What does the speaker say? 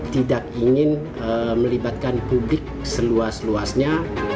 tidak ingin melibatkan publik seluas luasnya